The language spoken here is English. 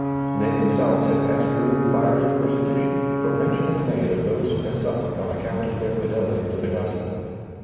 They themselves had passed through the iires of persecution, for mention is made of those who had suffered on account of their fidelity to the gospel.